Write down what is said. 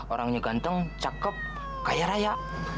orangnya gantung cakep kaya raya